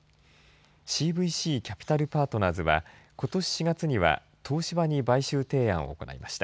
ＣＶＣキャピタル・パートナーズはことし４月には東芝に買収提案を行いました。